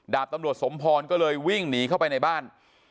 ดาบตำรวจสมพรก็เลยวิ่งหนีเข้าไปในบ้าน